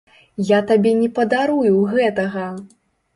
Я табе не падарую гэтага!